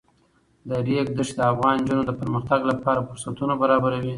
د ریګ دښتې د افغان نجونو د پرمختګ لپاره فرصتونه برابروي.